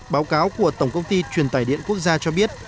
báo cáo của tổng công ty truyền tải điện quốc gia cho biết